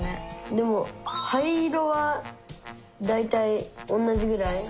でも灰色はだいたい同じぐらい？